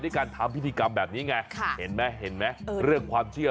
ด้วยการทำพิธีกรรมแบบนี้ไงเห็นไหมเรื่องความเชื่อ